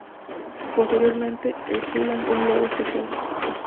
Posteriormente, el zoo lanzó un logo oficial.